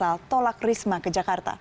tolak risma ke jakarta